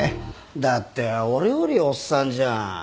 だって俺よりおっさんじゃん。